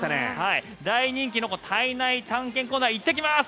大人気の体内体験コーナー行ってきます！